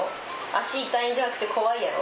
足痛いんじゃなくて怖いやろ？